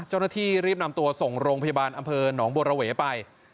เจ้าหน้าที่รีบนำตัวส่งโรงพยาบาลอำเภอหนองบัวระเวไป